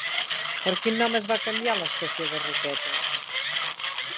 Per quin nom es va canviar l'estació de Roquetes?